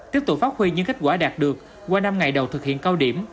tiếp tục phát huy những kết quả đạt được qua năm ngày đầu thực hiện cao điểm